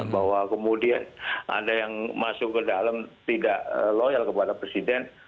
bahwa kemudian ada yang masuk ke dalam tidak loyal kepada presiden